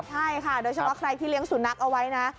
ใช่ค่ะโดยเฉพาะใครที่เลี้ยงสุนัขเอาไว้นะ